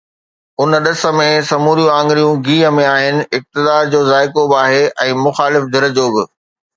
ان ڏس ۾ سموريون آڱريون گيهه ۾ آهن، اقتدار جو ذائقو به آهي ۽ مخالف ڌر جو به.